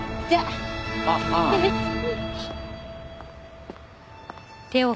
じゃあね。